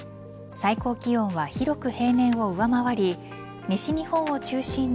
最高気温は広く平年を上回り西日本を中心に